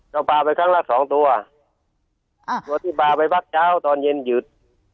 ก็ปลาไปครั้งละสองตัวอ่าตัวที่ปลาไปพักเช้าตอนเย็นหยุด